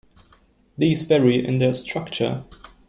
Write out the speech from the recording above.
These vary in their structure.